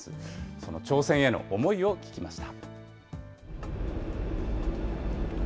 その挑戦への思いを聞きました。